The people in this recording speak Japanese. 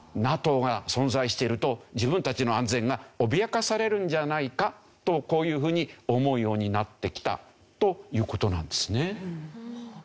ＮＡＴＯが存在していると自分たちの安全が脅かされるんじゃないかとこういうふうに思うようになってきたという事なんですね。